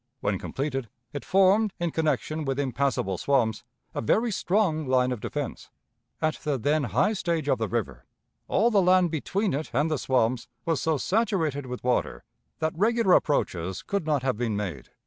When completed, it formed, in connection with impassable swamps, a very strong line of defense. At the then high stage of the river, all the land between it and the swamps was so saturated with water, that regular approaches could not have been made.